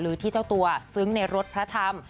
ที่เจ้าตัวซึ้งในรถพระธรรม